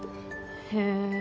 へえ。